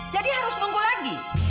jadi harus nunggu lagi